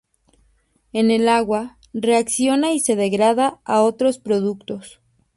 En el agua, reacciona y se degrada a otros productos.